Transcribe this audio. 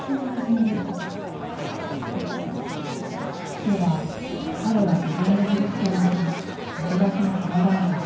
聞けば彼は自分で振り付けもする駆け出しのプロダンサー。